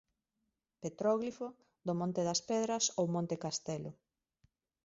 Petróglifo do Monte das Pedras ou Monte Castelo.